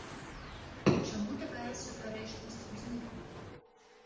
Чаму такая супярэчнасць узнікла?